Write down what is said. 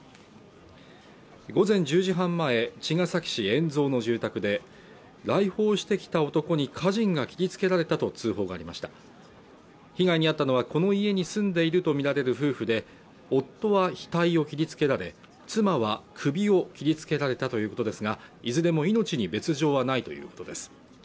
午前１０時半前茅ヶ崎市円蔵の住宅で来訪してきた男に家人が切りつけられたと通報がありました被害に遭ったのはこの家に住んでいると見られる夫婦で夫は額を切りつけられ妻は首を切りつけられたということですがいずれも命に別状はないということです